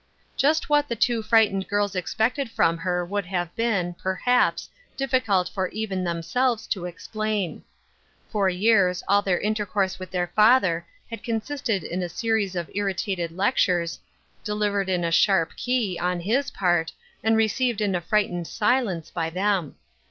Just what the two frightened girls expected from her would have been, perhaps, difficult for even themselves to explain. For years all their intercourse with their father had consisted in a series of irritated lectures, delivered in a sharp 804 Ruth Erskine's Crosses. key, on his part, and received in a frightened silence by them.